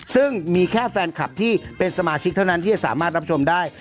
ซึ่งมีแค่แฟนคลับที่เป็นสมาชิกเท่านั้นที่จะสามารถรับชมได้